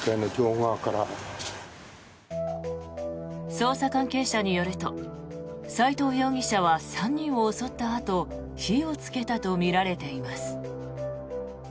捜査関係者によると斎藤容疑者は３人を襲ったあと火をつけたとみられています。